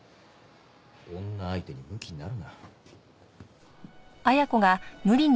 女相手にむきになるな。